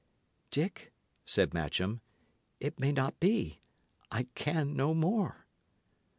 "Dick," said Matcham, "it may not be. I can no more."